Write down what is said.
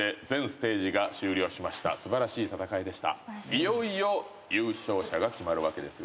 いよいよ優勝者が決まるわけですが。